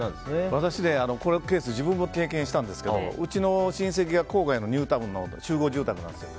私、このケース自分も経験したんですけどうちの親戚が郊外のニュータウンの集合住宅なんですよ。